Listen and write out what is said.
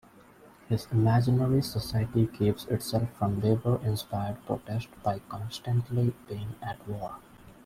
His imaginary society keeps itself from labor-inspired protest by constantly being at war.